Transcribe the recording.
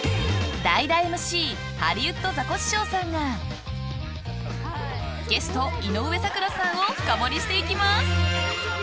代打ＭＣハリウッドザコシショウさんがゲスト、井上咲楽さんを深掘りしていきます。